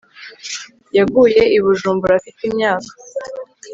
yaguye i bujumbura afite imyaka